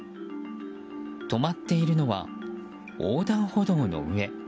止まっているのは横断歩道の上。